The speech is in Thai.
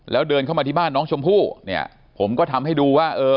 แล้วเดินเข้ามาที่บ้านน้องชมพู่เนี่ยผมก็ทำให้ดูว่าเออ